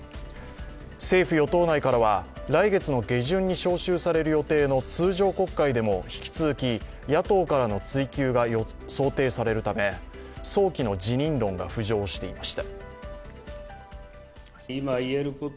政府・与党内からは、来月の下旬に召集される予定の通常国会でも引き続き野党からの追及が想定されるため、早期の辞任論が浮上していました。